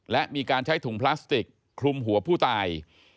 และมีการใช้ถุงพลาสติกคลุมหัวผู้ตาย